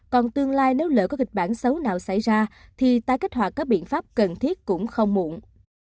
còn tương lai nếu lỡ có kịch bản xấu nào xảy ra thì tái kích hoạt các biện pháp cần thiết cũng không muộn